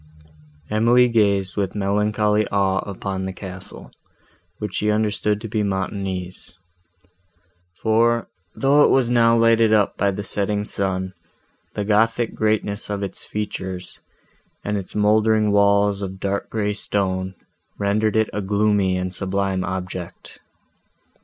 Emily gazed with melancholy awe upon the castle, which she understood to be Montoni's; for, though it was now lighted up by the setting sun, the gothic greatness of its features, and its mouldering walls of dark grey stone, rendered it a gloomy and sublime object.